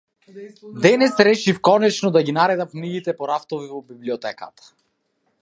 Денес решив конечно да ги наредам книгите по рафтовите во библиотеката.